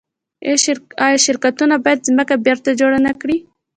آیا شرکتونه باید ځمکه بیرته جوړه نکړي؟